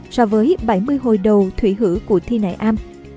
so với bảy mươi hồi đầu thủy hữ của thi nại am